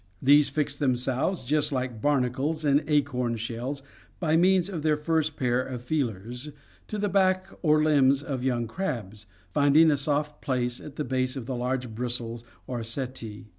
These fix themselves, just like bar nacles and acorn shells, by means of their first pair of feelers, to the back or limbs of young crabs, finding a soft place at the base of the large bristles or setae.